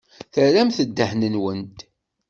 Terramt ddehn-nwent.